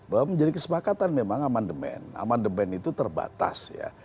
bahwa menjadi kesepakatan memang aman demen aman demen itu terbatas ya